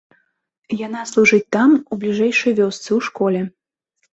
Яна служыць там у бліжэйшай вёсцы, у школе.